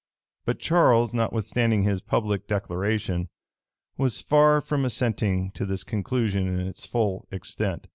But Charles, notwithstanding his public declaration, was far from assenting to this conclusion in its full extent.